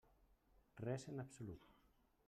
Res en absolut.